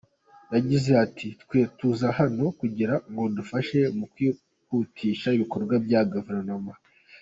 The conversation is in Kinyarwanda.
Yagize ati “Twe tuza hano kugira ngo dufashe mu kwihutisha ibikorwa bya Guverinoma.